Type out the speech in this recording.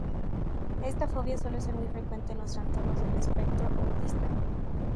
Esta fobia suele ser muy frecuente en los trastornos del espectro autista.